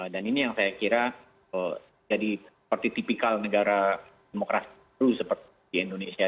dan ini yang saya kira jadi seperti tipikal negara demokrasi dulu seperti di indonesia